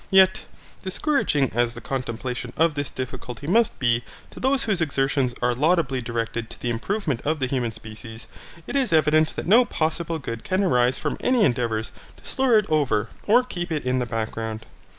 Yet, discouraging as the contemplation of this difficulty must be to those whose exertions are laudably directed to the improvement of the human species, it is evident that no possible good can arise from any endeavours to slur it over or keep it in the background.